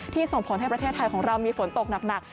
ส่งผลให้ประเทศไทยของเรามีฝนตกหนัก